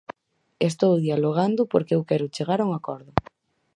Estou dialogando porque eu quero chegar a un acordo.